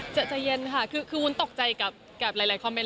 ใจเย็นค่ะคือวุ้นตกใจกับหลายคอมเมนต